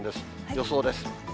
予想です。